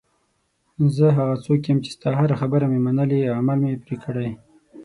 زه هغه څوک یم چې ستا هره خبره مې منلې، عمل مې پرې کړی.